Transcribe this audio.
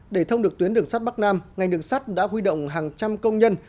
để thông được tuyến đường sắt bắc nam ngành đường sắt đã huy động hàng trăm công nhân